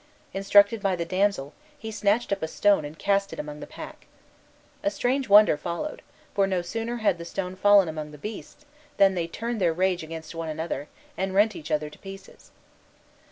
Instructed by the damsel, he snatched up a stone and cast it among the pack. A strange wonder followed; for no sooner had the stone fallen among the beasts, than they turned their rage against one another, and rent each other to pieces.